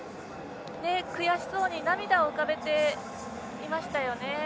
悔しそうに涙を浮かべていましたよね。